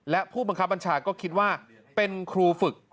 และผู้บังคับบัญชาก็คิดว่าเป็นครูฝึก